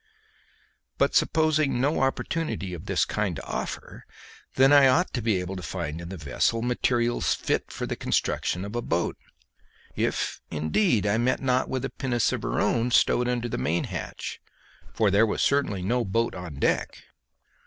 But supposing no opportunity of this kind to offer, then I ought to be able to find in the vessel materials fit for the construction of a boat, if, indeed, I met not with a pinnace of her own stowed under the main hatch, for there was certainly no boat on deck.